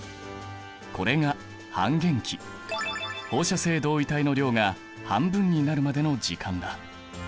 これが半減期放射性同位体の量が半分になるまでの時間だ。